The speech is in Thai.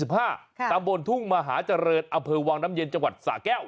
ตำบลทุ่งมหาเจริญอำเภอวังน้ำเย็นจังหวัดสาแก้ว